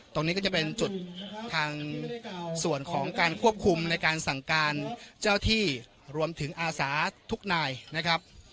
ตรงนี้ก็จะเป็นจุดทางส่วนของการควบคุมในการสั่งการเจ้าที่รวมถึงอาสาทุกนายนะครับ